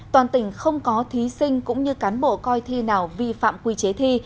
toàn tỉnh không có thí sinh cũng như cán bộ coi thi nào vi phạm quy chế thi